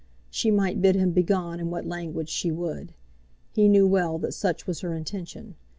She might bid him begone in what language she would. He knew well that such was her intention.